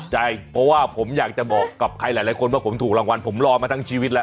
ใช่เพราะว่าผมอยากจะบอกกับใครหลายคนว่าผมถูกรางวัลผมรอมาทั้งชีวิตแล้ว